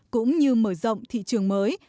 cũng như mở rộng thị trường mới